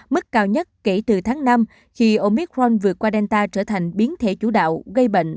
mức cao nhất kể từ tháng năm khi omicron vượt qua delta trở thành biến thể chủ đạo gây bệnh